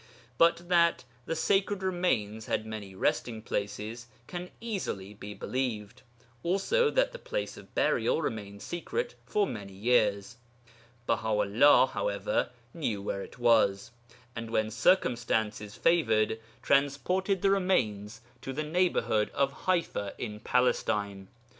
But that the sacred remains had many resting places can easily be believed; also that the place of burial remained secret for many years. Baha 'ullah, however, knew where it was, and, when circumstances favoured, transported the remains to the neighbourhood of Ḥaifa in Palestine.